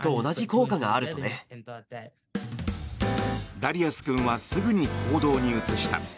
ダリアス君はすぐに行動に移した。